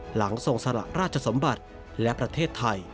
หลังทรงสละราชสมบัติและประเทศไทย